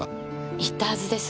言ったはずです。